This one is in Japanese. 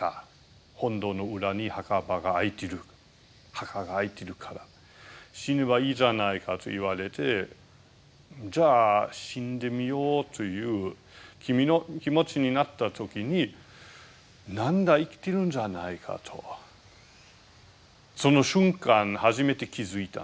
墓が空いてるから死ねばいいじゃないか」と言われてじゃあ死んでみようというキミの気持ちになった時になんだ生きてるんじゃないかとその瞬間初めて気付いたんですね。